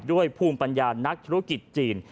ภูมิปัญญานักธุรกิจจีน